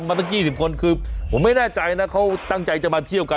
มาตั้ง๒๐คนคือผมไม่แน่ใจนะเขาตั้งใจจะมาเที่ยวกัน